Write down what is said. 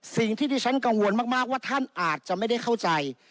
สิ่งที่ที่ฉันกังวลมากว่าท่านอาจจะไม่ได้เข้าใจ